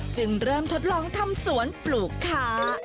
จึงเริ่มทดลองทำสวนปลูกค้า